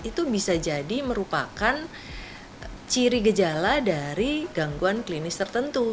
itu bisa jadi merupakan ciri gejala dari gangguan klinis tertentu